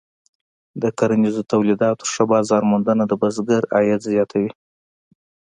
د کرنیزو تولیداتو ښه بازار موندنه د بزګر عواید زیاتوي.